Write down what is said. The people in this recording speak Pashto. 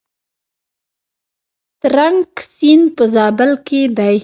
ترنک سیند په زابل کې دی؟